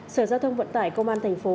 sở giao thông vận tải công an thành phố